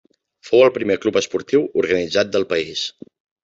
Fou el primer club esportiu organitzat del país.